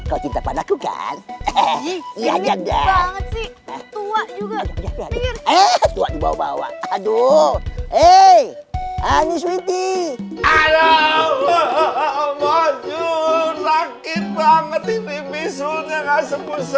om cik tenang aja nanti juga kalau pecah sembuh